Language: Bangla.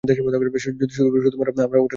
যদি শুধুমাত্র আমরা ওটাকে মারতে পারি।